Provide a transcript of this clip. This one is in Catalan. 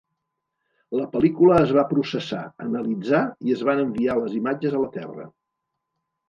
La pel·lícula es va processar, analitzar i es van enviar les imatges a la Terra.